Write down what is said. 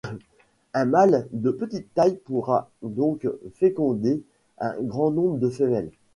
Un mâle de petite taille pourra donc féconder un grand nombre de femelles.